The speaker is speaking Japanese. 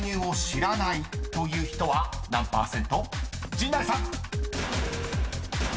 ［陣内さん］